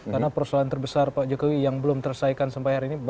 karena persoalan terbesar pak jokowi yang belum tersaikan sampai hari ini